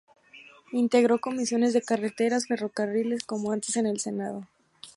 Integró comisiones de carreteras y ferrocarriles, como antes en el Senado.